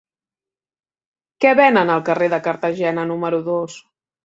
Què venen al carrer de Cartagena número dos?